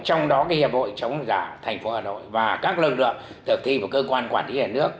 trong đó hiệp hội chống giả thành phố hà nội và các lực lượng thực thi của cơ quan quản lý nhà nước